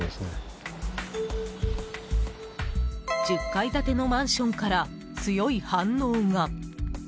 １０階建てのマンションから強い反応が。